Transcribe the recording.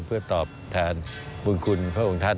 เพื่อตอบแทนบุญคุณพระองค์ท่าน